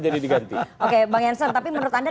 jadi diganti oke bang yanser tapi menurut anda